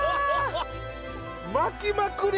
巻きまくり！